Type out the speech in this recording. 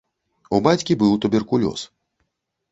У бацькі быў туберкулёз.